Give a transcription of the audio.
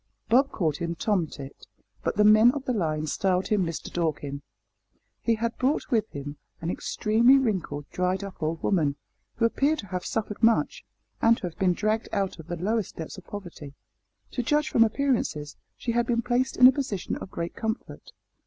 Bob called him Tomtit, but the men of the line styled him Mister Dorkin. He had brought with him an extremely wrinkled, dried up old woman, who appeared to have suffered much, and to have been dragged out of the lowest depths of poverty. To judge from appearances she had been placed in a position of great comfort.